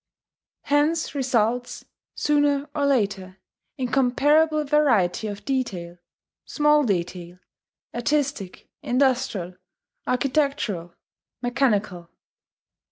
Hence results, sooner or later, incomparable variety of detail, small detail, artistic, industrial, architectural, mechanical.